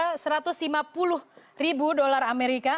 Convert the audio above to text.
ada satu ratus lima puluh ribu dolar amerika